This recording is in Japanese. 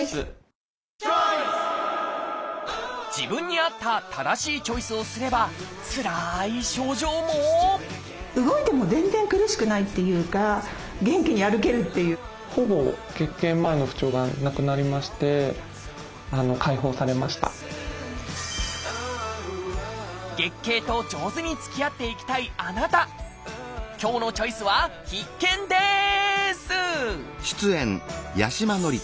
自分に合った正しいチョイスをすればつらい症状も月経と上手につきあっていきたいあなた今日の「チョイス」は必見です！